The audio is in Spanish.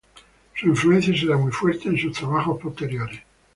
Su influencia será muy fuerte en sus trabajos posteriores.